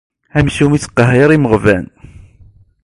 Amcum ittqehhir imeɣban.